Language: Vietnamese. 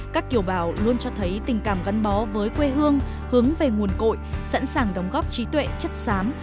các kiều bào luôn cho thấy tình cảm gắn bó với quê hương hướng về nguồn cội sẵn sàng đóng góp trí tuệ chất xám